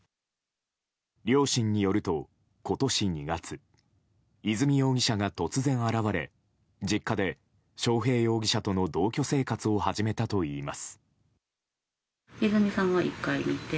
両親によると、今年２月和美容疑者が突然現れ実家で章平容疑者との同居生活を始めたといいます。